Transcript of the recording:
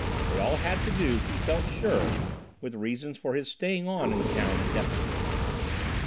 They all had to do, he felt sure, with reasons for his staying on in the town indefinitely.